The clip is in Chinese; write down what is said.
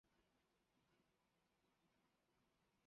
但是我要了解这些人作出决定的原因。